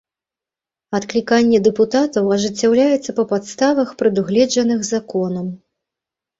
Адкліканне дэпутатаў ажыццяўляецца па падставах, прадугледжаных законам.